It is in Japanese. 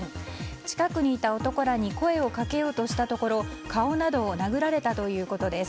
近くにいた男らに声をかけようとしたところ顔などを殴られたということです。